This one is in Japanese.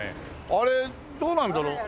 あれどうなんだろう？